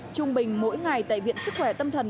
trung bình mỗi ngày tại viện sức khỏe tâm thần